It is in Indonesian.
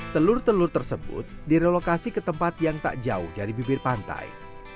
telur telur tersebut direlokasi ke tempat yang tak jauh dari bibir pantai